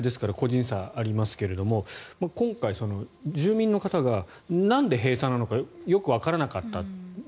我慢の限界ですから個人差はありますけれど今回、住民の方がなんで閉鎖なのかよくわからなかった。